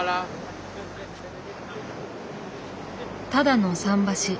ただの桟橋。